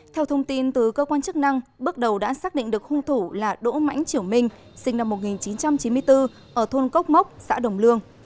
theo thông tin từ cơ quan chức năng bước đầu đã xác định được hung thủ là đỗ mãnh triều minh sinh năm một nghìn chín trăm chín mươi bốn ở thôn cốc mốc xã đồng lương